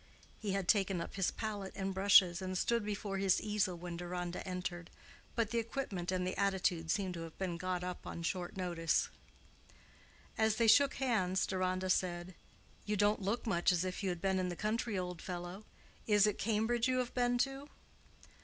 He had taken up his palette and brushes, and stood before his easel when Deronda entered, but the equipment and attitude seemed to have been got up on short notice. As they shook hands, Deronda said, "You don't look much as if you had been in the country, old fellow. Is it Cambridge you have been to?"